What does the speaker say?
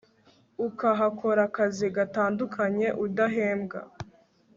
ukahakora akazi gatandukanye udahembwa